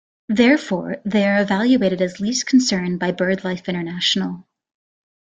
Therefore, they are evaluated as least concern by BirdLife International.